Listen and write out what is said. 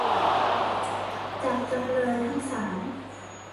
จากจำเลยทั้งสาม